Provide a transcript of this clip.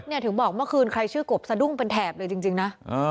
ถึงบอกเมื่อคืนใครชื่อกบสะดุ้งเป็นแถบเลยจริงนะ